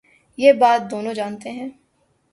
یہ بات دونوں جا نتے ہیں۔